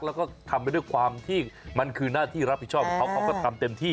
แล้วก็ทำไปด้วยความที่มันคือหน้าที่รับผิดชอบของเขาเขาก็ทำเต็มที่